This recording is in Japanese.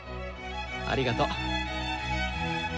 ありがとう。